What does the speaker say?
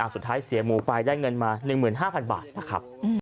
สุดท้ายเสียหมูปลายได้เงินมา๑๕๐๐๐บาทนะครับ